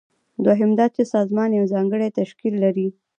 دوهم دا چې سازمان یو ځانګړی تشکیل لري.